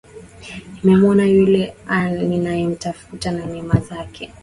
Nimemuona yule ninayemtafuta na neema zake.